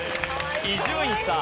伊集院さん。